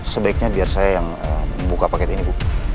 sebaiknya biar saya yang buka paket ini bu